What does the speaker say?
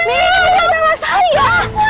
ini dia sama saya